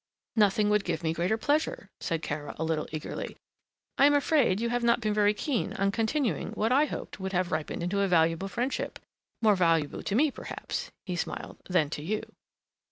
"Nothing would give me greater pleasure," said Kara, a little eagerly. "I am afraid you have not been very keen on continuing what I hoped would have ripened into a valuable friendship, more valuable to me perhaps," he smiled, "than to you."